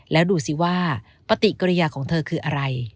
แล้วดูสิว่าปฏิกิริยาของเธอคืออะไร